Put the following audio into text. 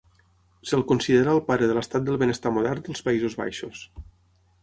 Se'l considera el pare de l'estat del benestar modern dels Països Baixos.